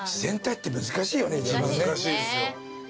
難しいですよ。